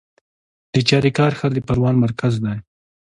د چاریکار ښار د پروان مرکز دی